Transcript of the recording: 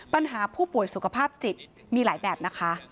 ปัญหาผู้ป่วยสุขภาพจิตมีหลายแบบนะคะ